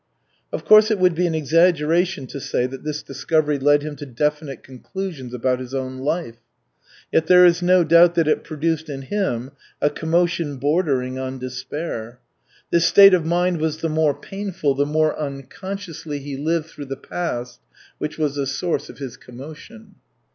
Of course, it would be an exaggeration to say that this discovery led him to definite conclusions about his own life, yet there is no doubt that it produced in him a commotion bordering on despair. This state of mind was the more painful the more unconsciously he lived through the past which was the source of his commotion.